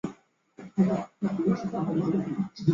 这种局势直到后来稷山之战爆发后才得到转机。